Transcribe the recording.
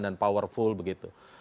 dan powerful begitu